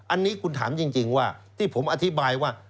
อันนี้คุณถามจริงว่าที่ผมอธิบายว่า